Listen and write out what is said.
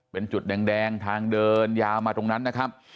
เป็นจุดแดงทางเดินยาวมาตรงนั้นนะครับ